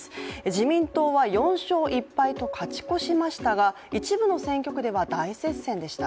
自民党は４勝１敗と勝ち越しましたが一部の選挙区では大接戦でした。